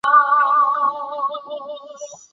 伊维耶尔。